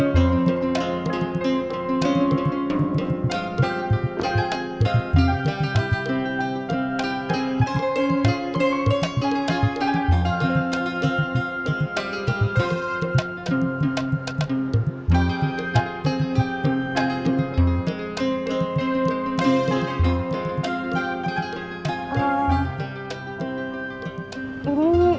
pindah ke dalam